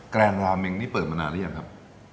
แรงราเมงนี่เปิดมานานหรือยังครับ